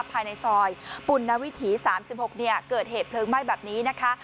ภายในซอยปุณวิถี๓๖เกิดเหตุเพลิงไหม้แบบนี้นะคะ